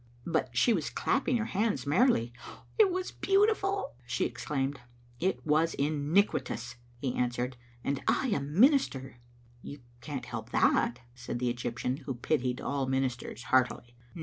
But she was clapping her hands merrily. " It was beautiful!" she exclaimed. "It was iniquitous!" he answered. "And I a minister!" "You can't help that," said the Egyptian, who pitied all ministers heartily.